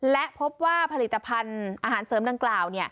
และพบว่าผลิตภัณฑ์อาหารเสริมดังกล่าว